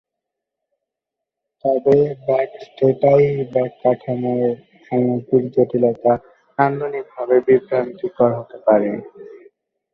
তবে, back stay tie back কাঠামোর সামগ্রিক জটিলতা নান্দনিকভাবে বিভ্রান্তিকর হতে পারে।